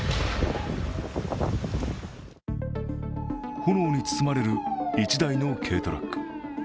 炎に包まれる１台の軽トラック。